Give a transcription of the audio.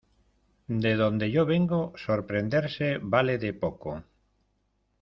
de donde yo vengo sorprenderse vale de poco.